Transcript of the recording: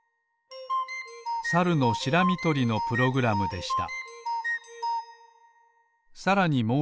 サルのシラミとりのプログラムでした。